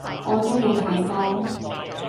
我都冇睇波